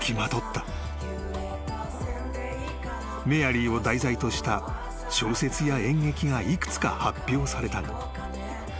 ［メアリーを題材とした小説や演劇が幾つか発表されたが］